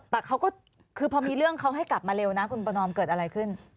แต่เขาก็คือพอมีเรื่องเขาให้กลับมาเร็วนะคุณประนอมเกิดอะไรขึ้น